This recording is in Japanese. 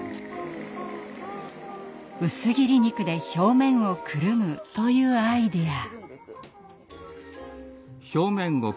薄切り肉で表面をくるむというアイデア。